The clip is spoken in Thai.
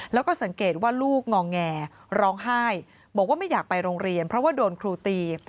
แล้วก็สังเกตว่าลูกงอแงร้องไห้บอกว่าไม่อยากไปโรงเรียนเพราะว่าโดนครูตี